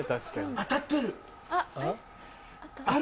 当たってるある。